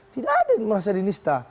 tidak ada yang merasa dinista